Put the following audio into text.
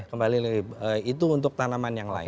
kembali itu untuk tanaman yang lain